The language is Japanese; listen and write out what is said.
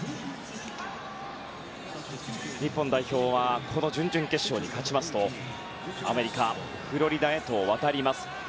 日本代表はこの準々決勝に勝ちますとアメリカ・フロリダへと渡ります。